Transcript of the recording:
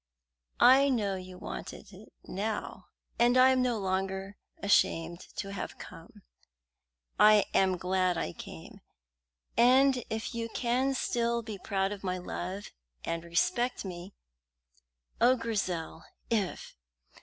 "I know you wanted it now, and I am no longer ashamed to have come. I am glad I came, and if you can still be proud of my love and respect me " "Oh, Grizel, if!"